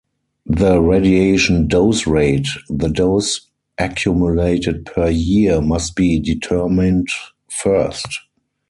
The "Radiation Dose Rate" - the dose accumulated per year-must be determined first.